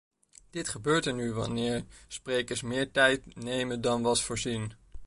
Dit gebeurt er nu wanneer sprekers meer tijd nemen dan was voorzien.